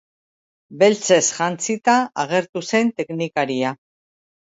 Beltzez jantzita agertu zen teknikaria.